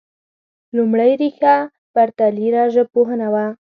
لومړۍ ريښه پرتلیره ژبپوهنه وه